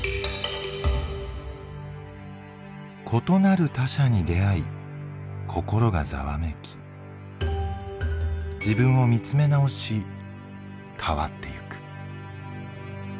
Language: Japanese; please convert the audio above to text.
異なる他者に出会い心がざわめき自分を見つめ直し変わってゆく。